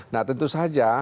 nah tentu saja